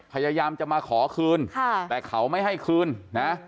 พยายามจะมาขอคืนค่ะแต่เขาไม่ให้คืนนะ